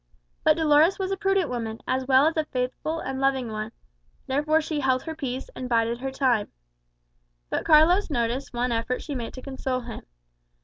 But Dolores was a prudent woman, as well as a loving and faithful one; therefore she held her peace, and bided her time. But Carlos noticed one effort she made to console him.